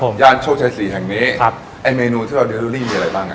มีอะไรบ้างอ่ะ